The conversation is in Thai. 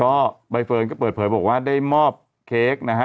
ก็ใบเฟิร์นก็เปิดเผยบอกว่าได้มอบเค้กนะฮะ